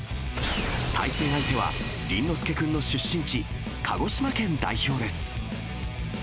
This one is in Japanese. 対戦相手は倫之亮君の出身地、鹿児島県代表です。